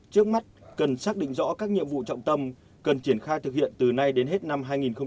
trước mắt cần xác định rõ các nhiệm vụ trọng tâm cần triển khai thực hiện từ nay đến hết năm hai nghìn hai mươi